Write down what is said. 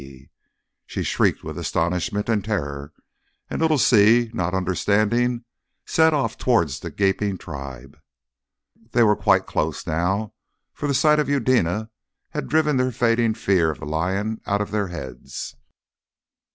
She shrieked with astonishment and terror, and little Si, not understanding, set off towards the gaping tribe. They were quite close now, for the sight of Eudena had driven their fading fear of the lion out of their heads.